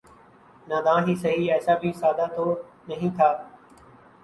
ناداں ہی سہی ایسا بھی سادہ تو نہیں تھا